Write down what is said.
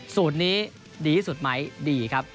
สูตรนี้ดีที่สุดไหมดีครับ